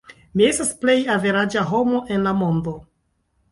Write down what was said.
Mi estas plej averaĝa homo en la mondo.